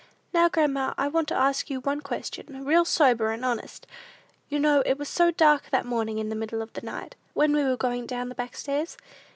"Now, grandma, I want to ask you one question, real sober and honest. You know it was so dark that morning in the middle of the night, when we were going down the back stairs?